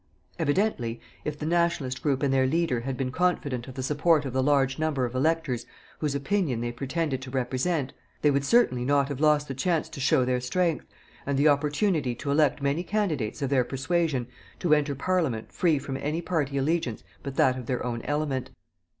Evidently, if the "Nationalist" group and their leader had been confident of the support of the large number of electors whose opinion they pretended to represent, they would certainly not have lost the chance to show their strength, and the opportunity to elect many candidates of their persuasion to enter Parliament free from any party allegiance but that of their own element.